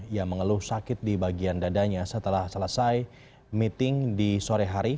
ia mengeluh sakit di bagian dadanya setelah selesai meeting di sore hari